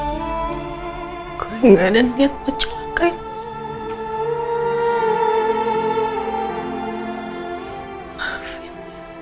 gue nggak ada niat kecelakaan